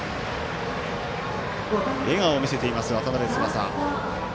笑顔を見せている渡邉翼。